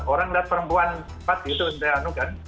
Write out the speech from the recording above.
orang lihat perempuan sempat gitu